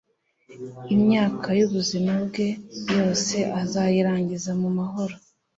imyaka y'ubuzima bwe yose, azayirangiza mu mahoro